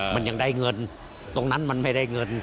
มันยังได้เงินตรงนั้นมันไม่ได้เงิน